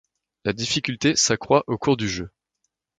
La difficulté s'accroit au cours du jeu.